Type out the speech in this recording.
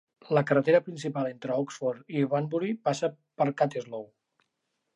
La carretera principal entre Oxford i Banbury passa per Cutteslowe.